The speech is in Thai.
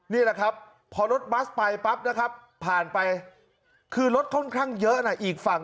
นี่แหละครับพอรถบัสไปปั๊บนะครับผ่านไปคือรถค่อนข้างเยอะนะอีกฝั่ง